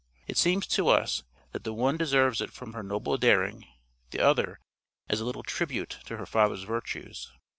It seems to us, that the one deserves it from her noble daring, the other as a little tribute to her father's virtues.